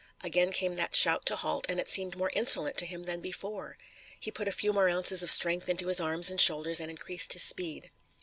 Again came that shout to halt, and it seemed more insolent to him than before. He put a few more ounces of strength into his arms and shoulders and increased his speed.